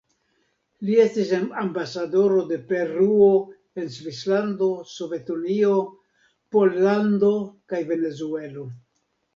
Li estis ambasadoro de Peruo en Svislando, Sovetunio, Pollando kaj Venezuelo.